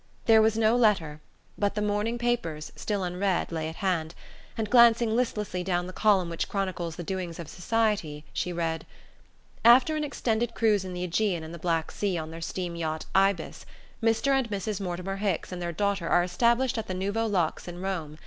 There was no letter; but the morning papers, still unread, lay at hand, and glancing listlessly down the column which chronicles the doings of society, she read: "After an extended cruise in the AEgean and the Black Sea on their steam yacht Ibis, Mr. and Mrs. Mortimer Hicks and their daughter are established at the Nouveau Luxe in Rome.